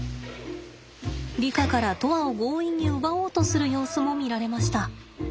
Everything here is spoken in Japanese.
リカから砥愛を強引に奪おうとする様子も見られました。